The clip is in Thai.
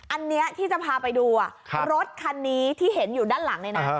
อันนี้ที่จะพาไปดูรถคันนี้ที่เห็นอยู่ด้านหลังเลยนะ